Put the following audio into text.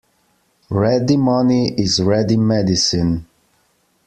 Ready money is ready medicine.